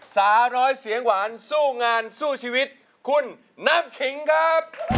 สาวร้อยเสียงหวานสู้งานสู้ชีวิตคุณน้ำขิงครับ